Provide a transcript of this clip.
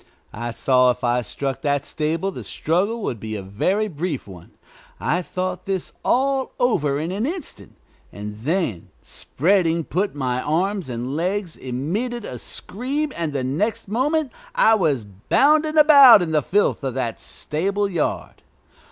I saw if I struck that stable the struggle would be a very brief one. I thought this all over in an instant, and then, spreading put my arms and legs, emitted a scream, and the next moment I was bounding about in the filth of that stable yard.